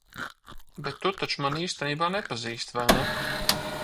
Bet tu taču mani īstenībā nepazīsti, vai ne?